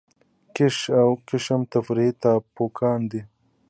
کیش او قشم تفریحي ټاپوګان دي.